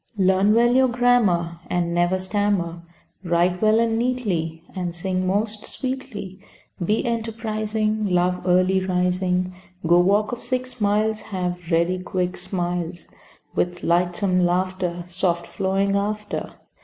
Learn well your grammar, And never stammer, Write well and neatly, And sing most sweetly, Be enterprising, Love early rising, Go walk of six miles, Have ready quick smiles, With lightsome laughter, Soft flowing after.